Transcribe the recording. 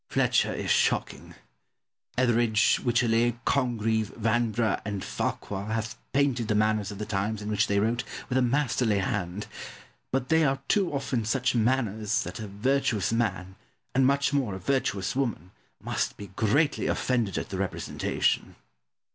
Fletcher is shocking. Etheridge, Wycherley, Congreve, Vanbrugh, and Farquhar have painted the manners of the times in which they wrote with a masterly hand; but they are too often such manners that a virtuous man, and much more a virtuous woman, must be greatly offended at the representation.